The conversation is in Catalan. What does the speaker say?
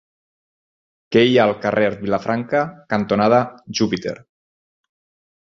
Què hi ha al carrer Vilafranca cantonada Júpiter?